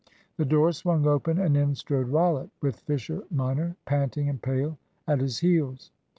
The door swung open, and in strode Rollitt, with Fisher minor, panting and pale, at his heels.